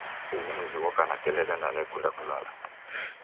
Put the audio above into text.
Ughu mzi ghoka na kelele na nekunda kulala